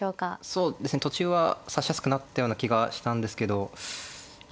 そうですね途中は指しやすくなったような気がしたんですけどいや